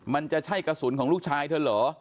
มันจะใช่กระสุนของลูกชายเธอเหรอ